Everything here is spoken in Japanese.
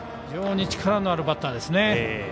非常に力のあるバッターですね。